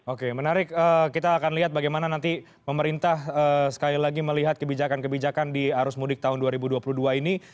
oke menarik kita akan lihat bagaimana nanti pemerintah sekali lagi melihat kebijakan kebijakan di arus mudik tahun dua ribu dua puluh dua ini